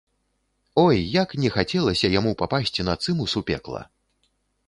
Ой, як не хацелася яму папасці на цымус у пекла!